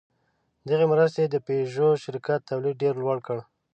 دغې مرستې د پيژو شرکت تولید ډېر لوړ کړ.